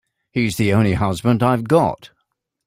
He's the only husband I've got.